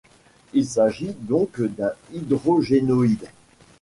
Il s'agit donc d'un hydrogénoïde.